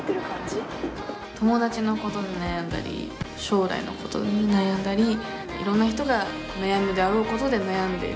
友達のことで悩んだり将来のことで悩んだりいろんな人が悩むであろうことで悩んでいる。